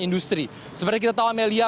industri seperti kita tahu amelia